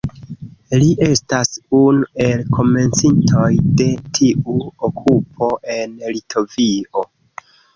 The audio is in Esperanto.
Li estas unu el komencintoj de tiu okupo en Litovio.